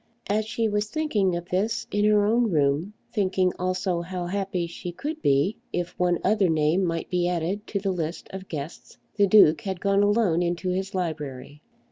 As she was thinking of this in her own room, thinking also how happy she could be if one other name might be added to the list of guests, the Duke had gone alone into his library.